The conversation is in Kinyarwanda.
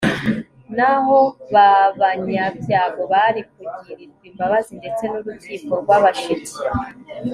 naho ba banyabyago bari kugirirwa imbabazi ndetse n'urukiko rw'abashiti